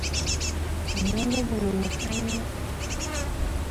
Omwenge guno muka nnyo.